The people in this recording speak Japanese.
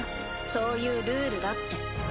そういうルールだって。